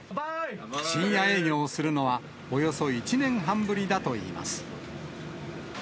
深夜営業をするのは、およそ１年半ぶりだといいます。